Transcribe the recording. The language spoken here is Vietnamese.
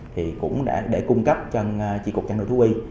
thì cũng để cung cấp cho trị cục trăn nuôi thú huy